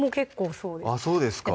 そうですか